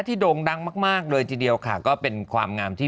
ที่โด่งดังมากเลยทีเดียวค่ะ